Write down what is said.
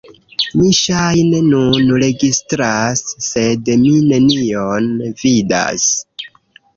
Mi ŝajne nun registras sed mi nenion vidas